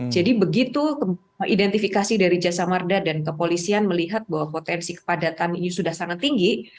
jadi begitu identifikasi dari jasa marga dan kepolisian melihat bahwa potensi kepadatan ini sudah sangat tinggi